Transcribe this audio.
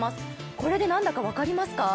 これで何だか分かりますか？